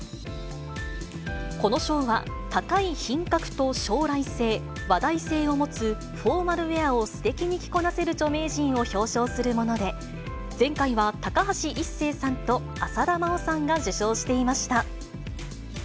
この賞は、高い品格と将来性、話題性を持つフォーマルウエアをすてきに着こなせる著名人を表彰するもので、前回は高橋一生さんと浅田真央さんが受賞していました。